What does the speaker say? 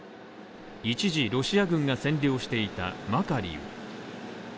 一時、ロシア軍が占領していたマカリウ。